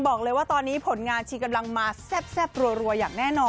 บอกเลยว่าตอนนี้ผลงานชีกำลังมาแซ่บรัวอย่างแน่นอน